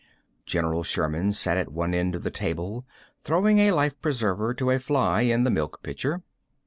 General Sherman sat at one end of the table, throwing a life preserver to a fly in the milk pitcher.